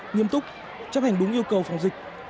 nghiêm túc chấp hành đúng yêu cầu phòng dịch